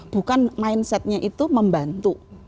bukan mindsetnya itu membantu